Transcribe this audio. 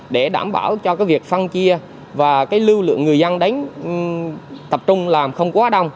để đảm bảo cho cái việc phân chia và cái lưu lượng người dân đến tập trung làm không quá đông